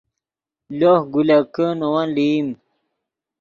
لوہ گولکے نے ون لئیم